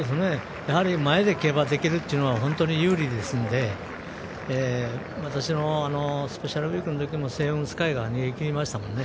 前で競馬できるっていうのは本当に有利ですのでスペシャルウィークのときもセイウンスカイが逃げきりましたもんね。